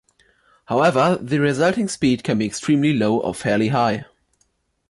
However, the resulting speed can be extremely low or fairly high.